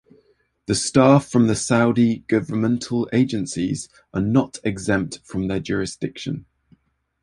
The staff from the Saudi governmental agencies are not exempt from their jurisdiction.